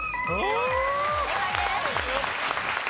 正解です。